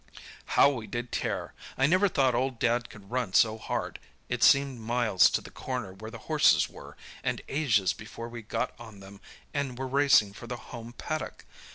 "How we did tear! I never thought old Dad could run so hard! It seemed miles to the corner where the horses were, and ages before we got on them and were racing for the home paddock.